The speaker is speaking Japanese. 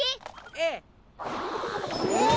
ええ！